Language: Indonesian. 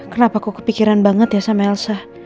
kenapa kok kepikiran banget ya sama elsa